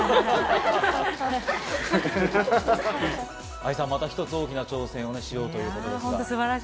愛さん、また一つ大きな挑戦をしようということでした。